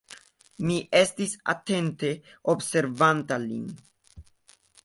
Mi estis atente observanta lin.